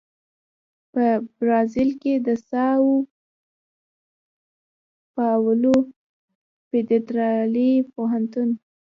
په برازیل کې د ساو پاولو فدرالي پوهنتون